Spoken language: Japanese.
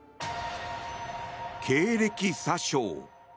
経歴詐称。